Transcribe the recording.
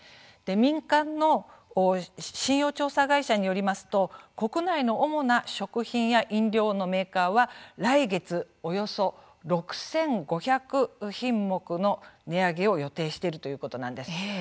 民間の信用調査会社によりますと国内の主な食品や飲料のメーカーは、来月およそ６５００品目の値上げを予定しているということなんです。